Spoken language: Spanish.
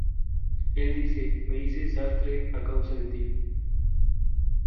Él dice "Me hice sastre a causa de ti".